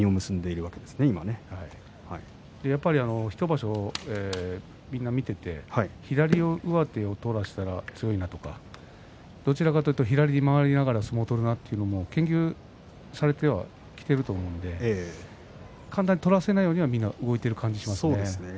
１場所みんな見ていて左上手を取らせたら強いなとかどちらかというと左、回りながら相撲を取るなというのも研究されてはきていると思うので簡単に取らせないように動いている感じがしますね。